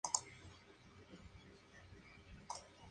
En otros ejemplos las diferencias sueño muy grandes.